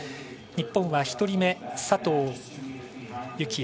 日本は１人目、佐藤幸椰。